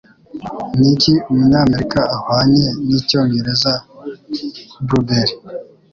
Niki umunyamerika ahwanye nicyongereza Blueberry?